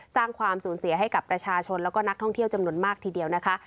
สร้างความสูญเสียให้กับประชาชนแล้วก็นักท่องเที่ยวจำนวนมากทีเดียวนะคะ